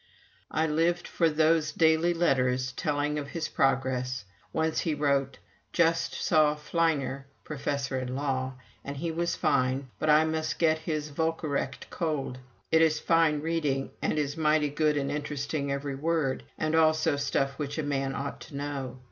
I lived for those daily letters telling of his progress. Once he wrote: "Just saw Fleiner [Professor in Law] and he was fine, but I must get his Volkerrecht cold. It is fine reading, and is mighty good and interesting every word, and also stuff which a man ought to know.